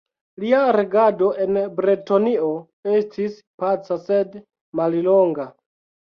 Lia regado en Bretonio estis paca sed mallonga.